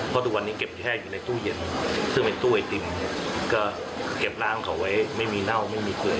เพราะทุกวันนี้เก็บแค่ไหร่ตู้เย็นซึ่งไหนตู้ไอติม